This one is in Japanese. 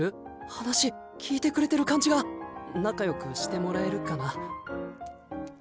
話聞いてくれてる感じが仲よくしてもらえるかな？